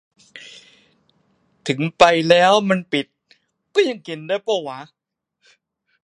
ถึงไปแล้วมันปิด ก็ยังได้กิน วะ